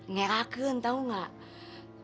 ngeraken tau gak